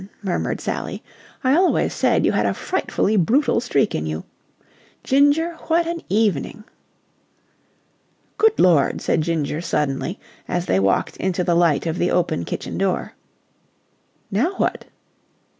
murmured Sally. "I always said you had a frightfully brutal streak in you. Ginger, what an evening!" "Good Lord!" said Ginger suddenly, as they walked into the light of the open kitchen door. "Now what?"